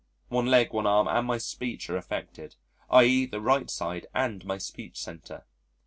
One leg, one arm, and my speech are affected, i.e. the right side and my speech centre.